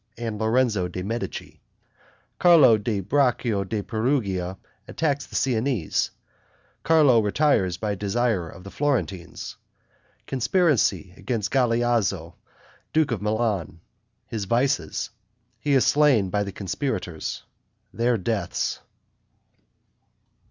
and Lorenzo de' Medici Carlo di Braccio da Perugia attacks the Siennese Carlo retires by desire of the Florentines Conspiracy against Galeazzo, duke of Milan His vices He is slain by the conspirators Their deaths.